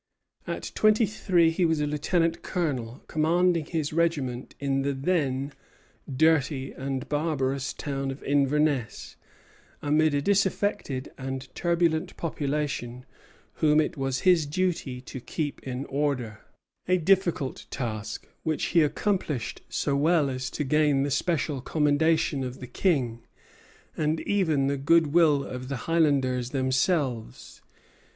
At twenty three he was a lieutenant colonel, commanding his regiment in the then dirty and barbarous town of Inverness, amid a disaffected and turbulent population whom it was his duty to keep in order: a difficult task, which he accomplished so well as to gain the special commendation of the King, and even the goodwill of the Highlanders themselves.